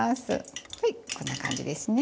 はいこんな感じですね。